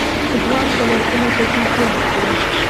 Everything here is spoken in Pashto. ځوان پر لرګينه څوکۍ کېناست.